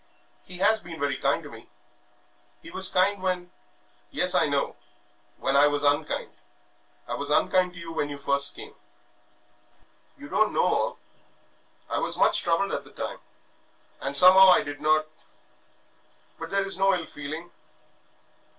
"He has been very kind to me he was kind when " "Yes, I know, when I was unkind. I was unkind to you when you first came. You don't know all. I was much troubled at that time, and somehow I did not . But there is no ill feeling?...